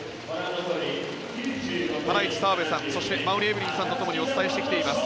ハライチ、澤部さんそして馬瓜エブリンさんとお伝えしてきています。